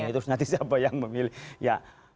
terus nanti siapa yang memilih ya